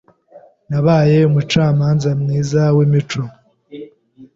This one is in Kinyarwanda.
Nabaye umucamanza mwiza wimico.